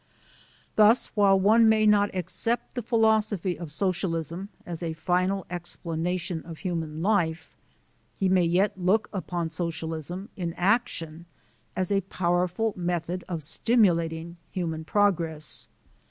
Thus while one may not accept the philosophy of Socialism as a final explanation of human life, he may yet look upon Socialism in action as a powerful method of stimulating human progress.